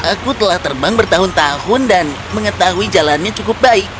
aku telah terbang bertahun tahun dan mengetahui jalannya cukup baik